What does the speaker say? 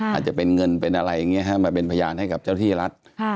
อาจจะเป็นเงินเป็นอะไรอย่างนี้มาเป็นพยานให้กับเจ้าที่รัฐ